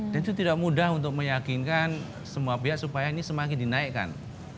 dan itu tidak mudah untuk meyakinkan semua pihak supaya ini semakin dinaikkan